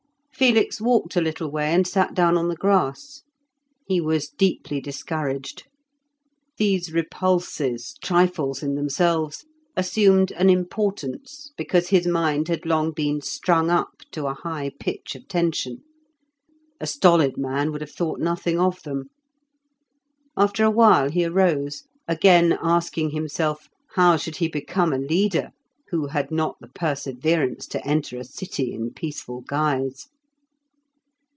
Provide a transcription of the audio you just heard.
Felix walked a little way and sat down on the grass. He was deeply discouraged. These repulses, trifles in themselves, assumed an importance, because his mind had long been strung up to a high pitch of tension. A stolid man would have thought nothing of them. After a while he arose, again asking himself how should he become a leader, who had not the perseverance to enter a city in peaceful guise?